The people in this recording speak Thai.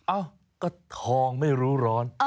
เอ้าก็ทองไม่รู้ร้อน